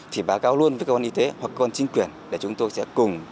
thì bà cao luôn với cơ quan y tế hoặc cơ quan chính quyền để chúng tôi sẽ cùng